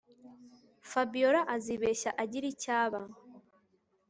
Fabiora azibeshya agire icyo aba